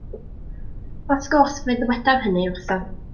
Wrth gwrs fe ddywedaf hynny wrtho.